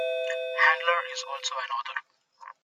Handler is also an author.